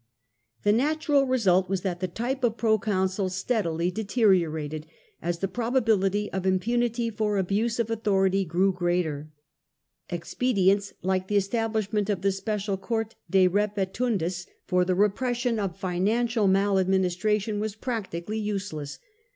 The natural result was that the type of proconsul steadily deteriorated, as the probability of impunity for abuse of authority grew greater. Expedients like the establishment of the special court De Mepehcndis for the repression of financial mal administration were practically useless.